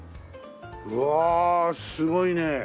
うわすごいね。